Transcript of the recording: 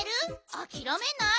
あきらめない？